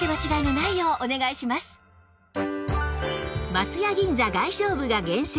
松屋銀座外商部が厳選